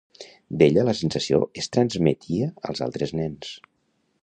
D'ella la sensació es transmetia als altres nens.